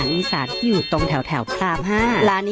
น่ากินน่าทาน